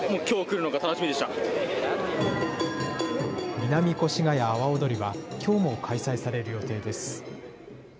南越谷阿波踊りはきょうも開催される予定です。